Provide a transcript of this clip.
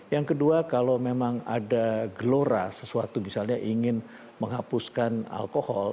yang kedua kalau memang ada gelora sesuatu misalnya ingin menghapuskan alkohol